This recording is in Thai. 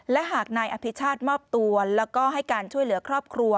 และหากนายอภิชาติมอบตัวแล้วก็ให้การช่วยเหลือครอบครัว